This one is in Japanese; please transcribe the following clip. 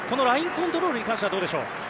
ラインコントロールに関してはいかがでしょう？